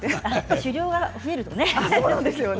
修業が増えるとね。